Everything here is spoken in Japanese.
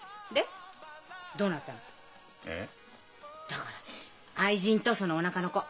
だから愛人とそのおなかの子。